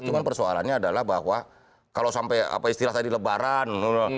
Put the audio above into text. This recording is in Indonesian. cuma persoalannya adalah bahwa kalau sampai apa istilah tadi lebaran